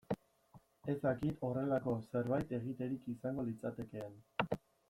Ez dakit horrelako zerbait egiterik izango litzatekeen.